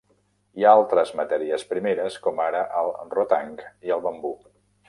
Hi ha altres matèries primeres, com ara el rotang i el bambú.